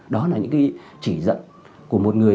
đó là những chỉ dẫn của một người